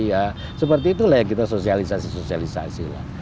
ya seperti itulah yang kita sosialisasi sosialisasi lah